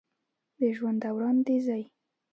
د ژوند دوران د زی